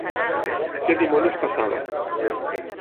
Què dimonis passava